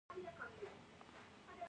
ازادي راډیو د اټومي انرژي اړوند مرکې کړي.